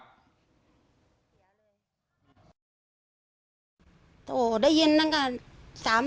ภาพจากกล้องวงจรปิดมันก็ไม่ได้คุยกับลูกแม่บอกเดี๋ยวภาพจากกล้องวงจรปิดมันก็ไม่ได้คุยกับลูก